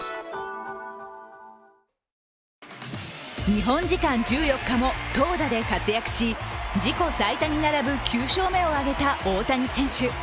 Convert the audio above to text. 日本時間１４日も投打で活躍し自己最多に並ぶ９勝目を挙げた大谷選手。